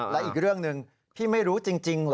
และอีกเรื่องหนึ่งพี่ไม่รู้จริงเหรอ